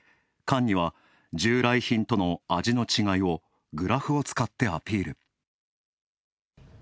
缶には従来品との味の違いをグラフを使ってアピール。